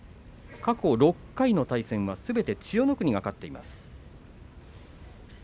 過去６回の対戦はすべて千代の国が勝っています。